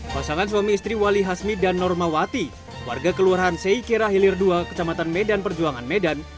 pasangan suami istri wali hasmi dan normawati warga kelurahan seikira hilir dua kecamatan medan perjuangan medan